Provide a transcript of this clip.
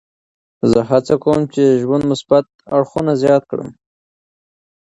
زه هڅه کوم چې د ژوند مثبت اړخونه زیات کړم.